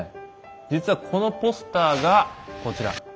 実はこのポスターがこちら。